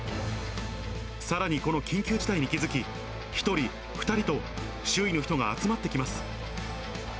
さらにこの緊急事態に気付き、１人、２人と、周囲の人が集まってきます。